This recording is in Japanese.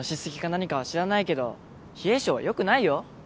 何かは知らないけど冷え性はよくないよ